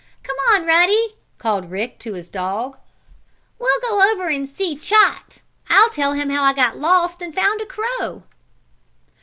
"Come on, Ruddy!" called Rick to his dog. "We'll go over and see Chot! I'll tell him how I got lost and found a crow!"